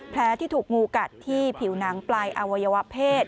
ที่ถูกงูกัดที่ผิวหนังปลายอวัยวะเพศ